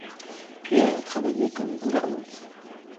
Puis elle a travaillé comme gouvernante.